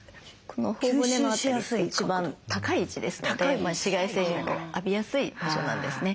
この頬骨の辺りって一番高い位置ですので紫外線浴びやすい場所なんですね。